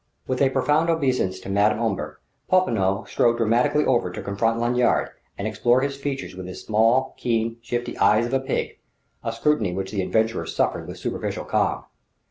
With a profound obeisance to Madame Omber, Popinot strode dramatically over to confront Lanyard and explore his features with his small, keen, shifty eyes of a pig; a scrutiny which the adventurer suffered with superficial calm.